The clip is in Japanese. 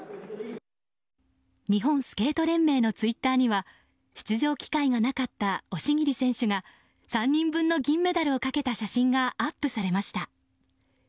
日本スケート連盟のツイッターには出場機会がなかった押切選手が３人分の銀メダルをかけた写真がアップされました。